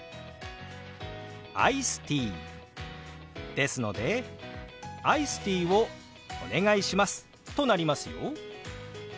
「アイスティー」ですので「アイスティーをお願いします」となりますよ。